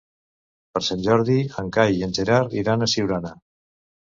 Per Sant Jordi en Cai i en Gerard iran a Siurana.